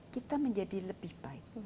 kita menjadi lebih baik